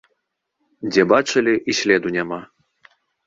Дзе бачылі, і следу няма!